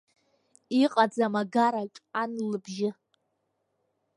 Иҟаӡам агараҿ ан лыбжьы.